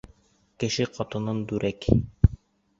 Кеше ҡатынын, дүрәк.